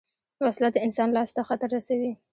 وسله د انسان لاس ته خطر رسوي